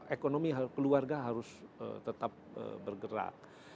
ekonomi keluarga harus tetap bergerak